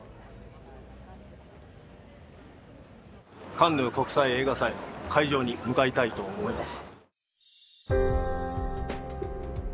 カンヌ国際映画祭の会場に向かいたいと思います